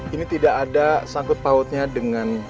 ini tidak ada sangkut pautnya dengan